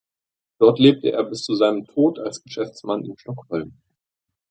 Dort lebte er bis zu seinem Tod als Geschäftsmann in Stockholm.